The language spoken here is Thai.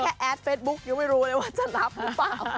แอดเฟซบุ๊กยังไม่รู้เลยว่าจะรับหรือเปล่า